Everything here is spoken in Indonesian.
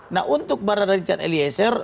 nah untuk baradaricat eliezer